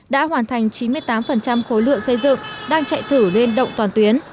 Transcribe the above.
đã hoàn thành chín mươi tám khối lượng xây dựng đang chạy thử lên động toàn tuyến